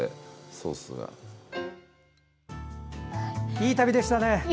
いい旅でしたね。